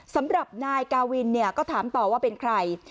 สำหรับนายกาวินเนี่ยก็ถามต่อว่าเป็นใคร